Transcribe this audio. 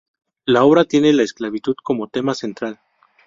La obra tiene la esclavitud como tema central.